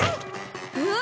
うわ！